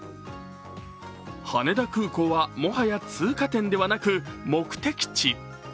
羽田空港はもはや通過点ではなく目的地。